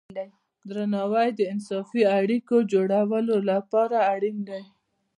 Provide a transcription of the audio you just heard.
درناوی د انصافی اړیکو جوړولو لپاره اړین دی.